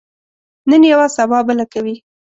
نن یوه، سبا بله کوي.